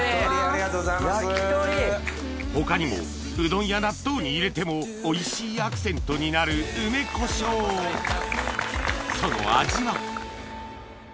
他にもうどんや納豆に入れてもおいしいアクセントになる梅こしょうその味は？